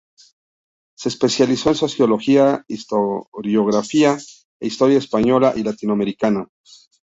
Se especializó en sociología, historiografía e historia española y latinoamericana.